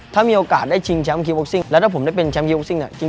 ถ้ามีโอกาสได้ชิงแชมป์คิวว็กซิ่งแล้วถ้าผมได้เป็นแชมป์ยูซิ่งเนี่ย